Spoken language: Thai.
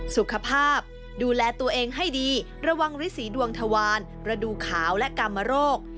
สุขภาพดูแลตัวเองให้ดีระวังฤษีดวงทวารระดูขาวและกรรมโรค